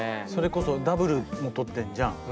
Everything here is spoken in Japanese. それこそダブルもとってんじゃん。